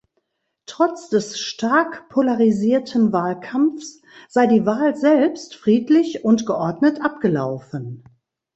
Trotz des stark polarisierten Wahlkampfs sei die Wahl selbst friedlich und geordnet abgelaufen.